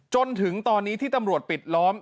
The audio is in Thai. จนถึงตอนนี้ที่ตำรวจปิดล้อม